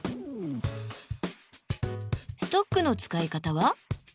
ストックの使い方は？